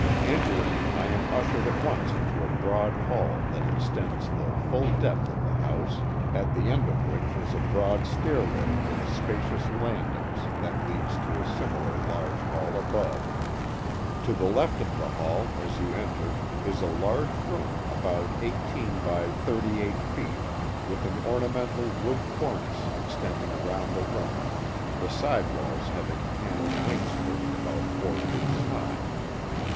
En tering, I am ushered at once into a broad hall that extends the full depth of the house, at the end of which is a broad stair way with spacious landings that leads to a similar large hall above. To the left of the hall as you enter is a large room about eighteen by thirty eight feet, with an ornamental wood cornice extending around the room, the sidewalls having panelled wainscoting about four feet high.